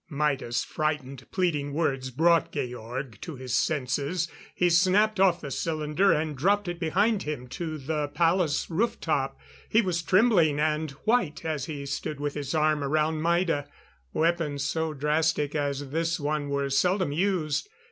Maida's frightened, pleading words brought Georg to his senses. He snapped off the cylinder and dropped it behind him to the palace roof top. He was trembling and white as he stood with his arm around Maida. Weapons so drastic as this one were seldom used.